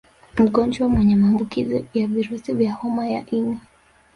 Mgonjwa mwenye maambukizi ya virusi vya homa ya ini